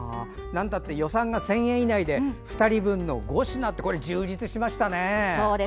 予算が１０００円以内で２人分の５品って充実しましたね。